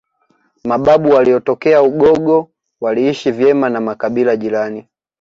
Mababu waliotokea Ugogo waliishi vyema na makibila jirani